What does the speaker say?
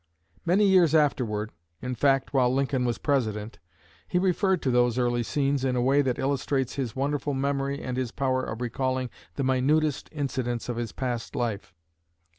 Many years afterward in fact, while Lincoln was President he referred to those early scenes in a way that illustrates his wonderful memory and his power of recalling the minutest incidents of his past life.